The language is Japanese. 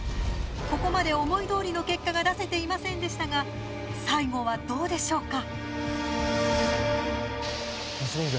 ここまで思い通りの結果が出せていませんでしたが最後はどうでしょうか。